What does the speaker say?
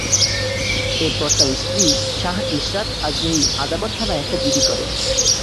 এরপর তাঁর স্ত্রী শাহ ইশরাত আজমেরী আদাবর থানায় একটি জিডিও করেন।